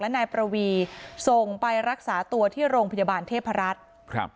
นายประวีส่งไปรักษาตัวที่โรงพยาบาลเทพรัฐครับ